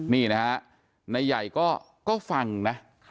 นี่นะฮะนายใหญ่ก็ฟังนะ